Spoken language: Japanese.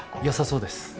良さそうです。